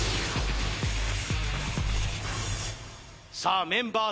さあメンバー